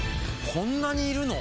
こんなにいるの？